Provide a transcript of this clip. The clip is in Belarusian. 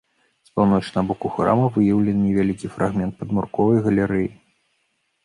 З паўночнага боку храма выяўлены невялікі фрагмент падмуркавай галерэі.